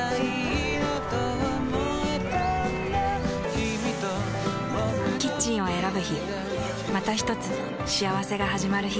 キミとボクの未来だキッチンを選ぶ日またひとつ幸せがはじまる日